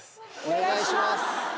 お願いします！